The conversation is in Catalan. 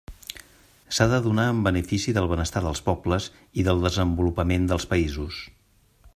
S'ha de donar en benefici del benestar dels pobles i del desenvolupament dels països.